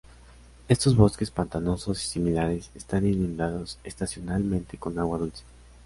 Estos bosques pantanosos y similares, están inundados estacionalmente con agua dulce.